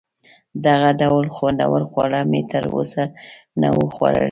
دغه ډول خوندور خواړه مې تر اوسه نه وه خوړلي.